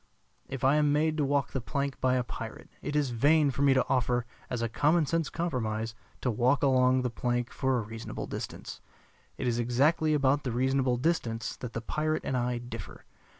If I am made to walk the plank by a pirate, it is vain for me to offer, as a common sense compromise, to walk along the plank for a reasonable distance. It is exactly about the reasonable distance that the pirate and I differ.